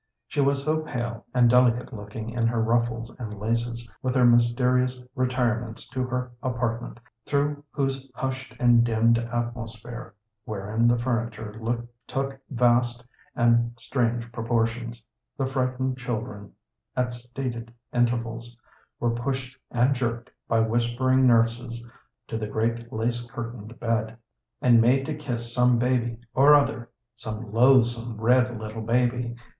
She was so pale and delicate looking in her ruffles and laces, with her mys terious retirements to her apartment, through whose hushed and dimmed atmosphere (wherein the furniture took vast and strange proportions) the frightened children at stated intervals were pushed and jerked by whispering nurses to the great lace curtained bed, and made to kiss some baby or other, some loathesome, red, little baby.